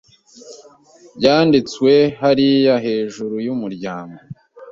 Byanditswe hariya hejuru yumuryango